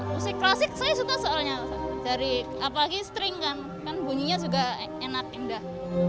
musik klasik saya suka soalnya dari apalagi string kan kan bunyinya juga enak indah